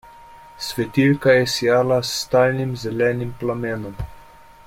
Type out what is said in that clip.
Svetilka je sijala s stalnim zelenim plamenom.